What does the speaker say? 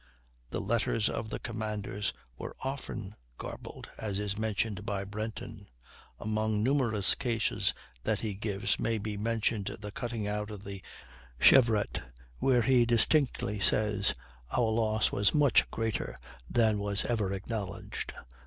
The letters of the commanders were often garbled, as is mentioned by Brenton. Among numerous cases that he gives, may be mentioned the cutting out of the Chevrette, where he distinctly says, "our loss was much greater than was ever acknowledged."